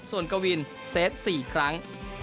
ส่วนกวินเซฟ๔ครั้ง